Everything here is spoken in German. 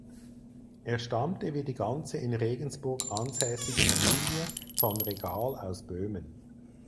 Er stammte wie die ganze in Regensburg ansässige Familie von Regal aus Böhmen.